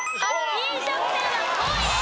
飲食店は５位です。